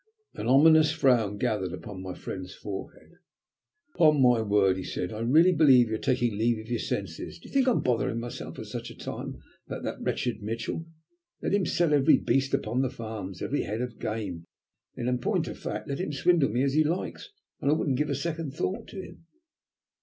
An ominous frown gathered upon my friend's forehead. "Upon my word," he said, "I really believe you are taking leave of your senses. Do you think I am bothering myself at such a time about that wretched Mitchell? Let him sell every beast upon the farms, every head of game, and, in point of fact, let him swindle me as he likes, and I wouldn't give a second thought to him."